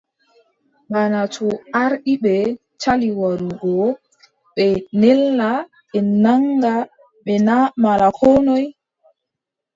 Bana to ardiiɓe cali warugo, ɓe nela ɓe naŋga ɓe na malla koo noy ?